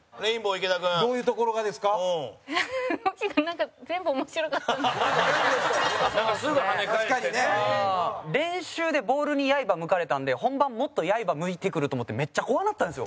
池田：練習でボールに、刃、向かれたんで本番、もっと刃、向いてくると思ってめっちゃ怖なったんですよ。